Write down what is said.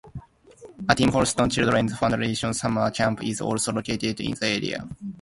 A "Tim Horton Children's Foundation" summer camp is also located in the area.